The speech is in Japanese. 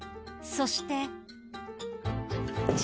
そして。